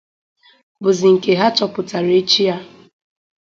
bụzị nke ha chọpụtàrà echi ya